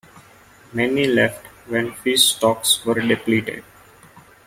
Many left when fish stocks were depleted.